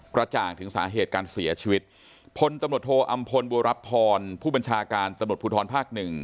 จ่างถึงสาเหตุการเสียชีวิตพลตำรวจโทอำพลบัวรับพรผู้บัญชาการตำรวจภูทรภาคหนึ่ง